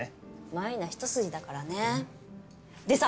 舞菜一筋だからねでさ